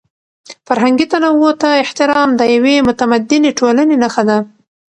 فرهنګي تنوع ته احترام د یوې متمدنې ټولنې نښه ده.